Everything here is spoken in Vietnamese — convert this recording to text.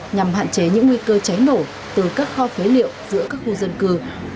nhằm hạn chế những nguy cơ cháy nổ từ các kho phế liệu giữa các khu dân cư